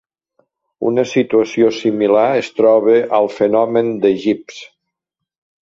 Una situació similar es troba al fenomen de Gibbs.